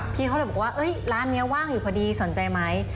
พี่เขาเลยบอกว่าร้านนี้ว่างอยู่พอดีสนใจไหม